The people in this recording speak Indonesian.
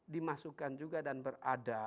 dimasukkan juga dan berada